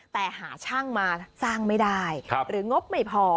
แต่หาช่างมาสร้างไม่ได้หรืองบไม่พอ